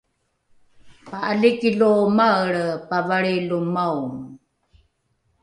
pa’aliki lo maelre pavalrilo maongo